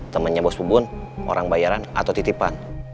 temennya bos pugun orang bayaran atau titipan